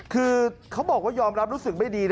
คือเขาบอกว่ายอมรับรู้สึกไม่ดี